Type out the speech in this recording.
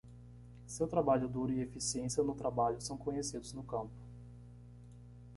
Seu trabalho duro e eficiência no trabalho são conhecidos no campo.